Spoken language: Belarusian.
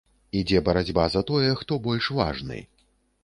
Ідзе барацьба за тое, хто больш важны.